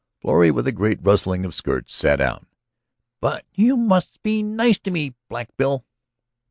Florrie with a great rustling of skirts sat down. "But you must be nice to me, Black Bill."